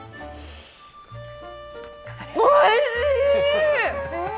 おいしいー！